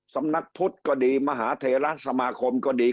สำนักพุทธก็ดีมหาเทราสมาคมก็ดี